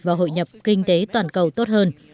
và hội nhập kinh tế toàn cầu tốt hơn